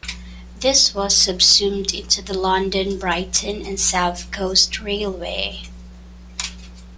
This was subsumed into the London, Brighton and South Coast Railway.